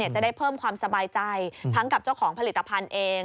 จะได้เพิ่มความสบายใจทั้งกับเจ้าของผลิตภัณฑ์เอง